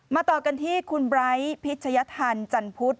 ต่อกันที่คุณไบร์ทพิชยธรรมจันพุทธ